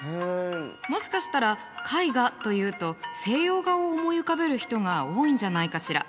もしかしたら絵画というと西洋画を思い浮かべる人が多いんじゃないかしら？